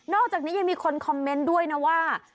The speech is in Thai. อกจากนี้ยังมีคนคอมเมนต์ด้วยนะว่า